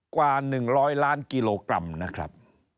กว่า๑๐๐ล้านกิโลกรัมนะครับ